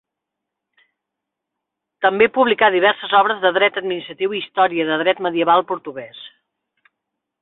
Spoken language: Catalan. També publicà diverses obres de dret administratiu i història de dret medieval portuguès.